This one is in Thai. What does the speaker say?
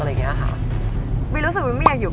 อะไรอย่างนี้ค่ะ